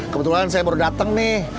kebetulan saya baru dateng nih